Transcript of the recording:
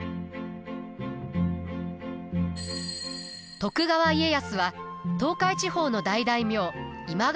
徳川家康は東海地方の大大名今川